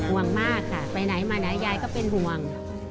มากค่ะไปไหนมาไหนยายก็เป็นห่วง